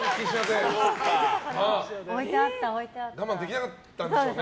我慢できなかったんですね